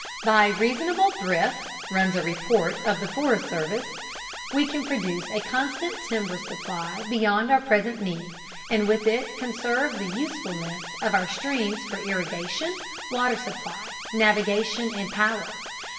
"By reasonable thrift," runs a report of the Forest Service, "we can produce a constant timber supply beyond our present need, and with it conserve the usefulness of our streams for irrigation, water supply, navigation, and power."